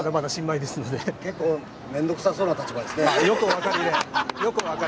結構面倒くさそうですね。